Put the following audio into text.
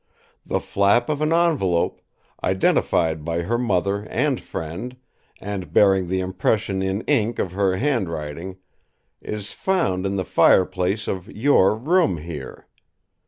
The flap of an envelope, identified by her mother and friend, and bearing the impression in ink of her handwriting, is found in the fireplace of your room here.